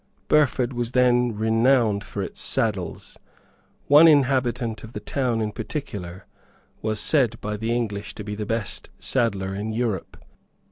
Burford was then renowned for its saddles. One inhabitant of the town, in particular, was said by the English to be the best saddler in Europe.